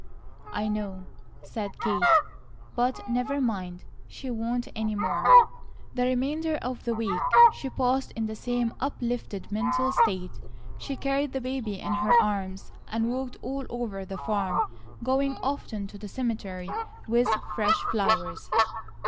"I know," said Kate. "But never mind! She won't any more." The remainder of the week she passed in the same uplifted mental state. She carried the baby in her arms and walked all over the farm, going often to the cemetery with fresh flowers.